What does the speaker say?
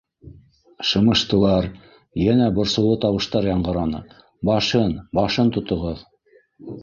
Шымыштылар, йәнә борсоулы тауыштар яңғыраны: —Башын, башын тотоғоҙ!